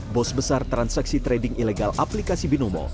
bos besar transaksi trading ilegal aplikasi binomo